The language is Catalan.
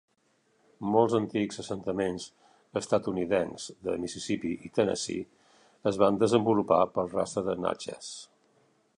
Molts antics assentaments estatunidencs de Mississippi i Tennessee es van desenvolupar pel rastre de Natchez.